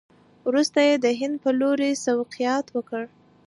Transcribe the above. وروسته یې د هند په لوري سوقیات وکړل.